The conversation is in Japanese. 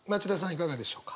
いかがでしょうか？